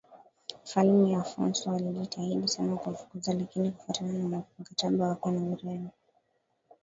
Mfalme Afonso alijitahidi sana kuwafukuza lakini kufuatana na mkataba wake na Ureno